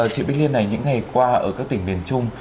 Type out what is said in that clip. chị bích liên này những ngày qua ở các tỉnh miền trung